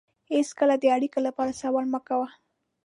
هېڅکله د اړیکې لپاره سوال مه کوه.